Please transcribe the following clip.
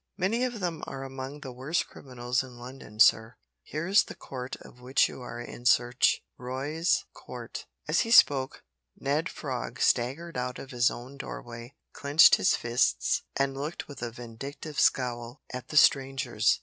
"Many of them are among the worst criminals in London, sir. Here is the court of which you are in search: Roy's Court." As he spoke, Ned Frog staggered out of his own doorway, clenched his fists, and looked with a vindictive scowl at the strangers.